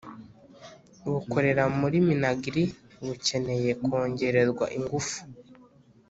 bukorera muri minagri bukeneye kongererwa ingufu,